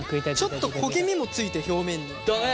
ちょっと焦げ目も付いて表面に。だね。